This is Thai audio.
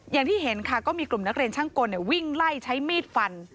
อย่างที่เห็นค่ะก็มีกลุ่มนักเรียนช่างกลวิ่งไล่ใช้มีดฟัน